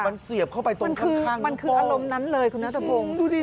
มันเสียบเข้าไปตรงข้างมันคืออารมณ์นั้นเลยคุณนัทพงศ์ดูดิ